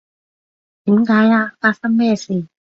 點解呀？發生咩事？